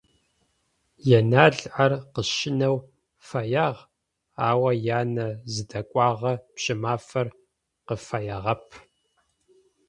Енал ар къыщэнэу фэягъ, ау янэ зыдэкӏуагъэ Пщымафэр къыфэягъэп.